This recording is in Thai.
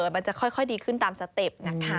มันจะค่อยดีขึ้นตามสติป